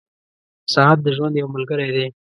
• ساعت د ژوند یو ملګری دی.